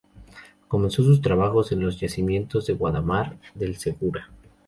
Comenzó sus trabajos en los yacimientos de Guardamar del Segura.